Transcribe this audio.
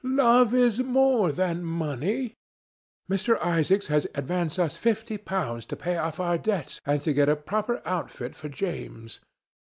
Love is more than money." "Mr. Isaacs has advanced us fifty pounds to pay off our debts and to get a proper outfit for James.